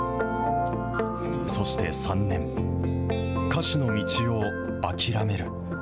そして３年、歌手の道を諦める。